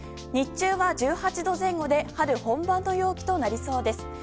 日中は１８度前後で春本番の陽気となりそうです。